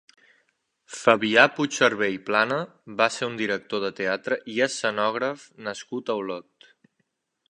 Fabià Puigserver i Plana va ser un director de teatre i escenògraf nascut a Olot.